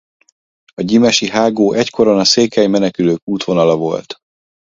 A gyimesi hágó egykoron a székely menekülők útvonala volt.